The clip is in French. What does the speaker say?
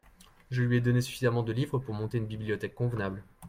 Je lui ai donné suffisamment de livres pour monter une bibliothèque convenable.